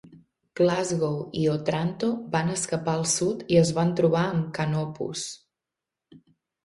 "Glasgow" i "Otranto" van escapar al sud i es van trobar amb "Canopus".